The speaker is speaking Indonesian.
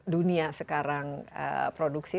dunia sekarang produksi